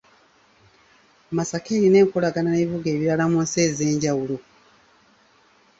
Masaka erina enkolagana n’ebibuga ebirala mu nsi ez’enjawulo.